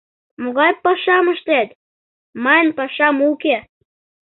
«Могай пашам ыштет?» — «Мыйын пашам уке».